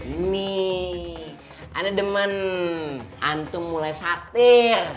ini ada demen antum mulai satir